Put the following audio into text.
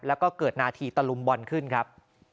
แล้วก็เกิดนาทีตะลุมบอลขึ้นครับ